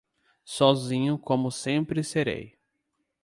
sozinho como sempre serei.